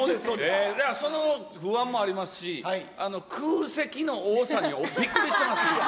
その不安もありますし、空席の多さにびっくりしてます。